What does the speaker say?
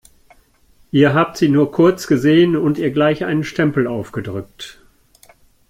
Ihr habt sie nur kurz gesehen und ihr gleich einen Stempel aufgedrückt.